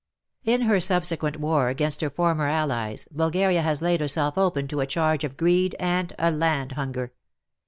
In her subsequent war against her former allies Bulgaria has laid herself open to a charge of greed and land hunger.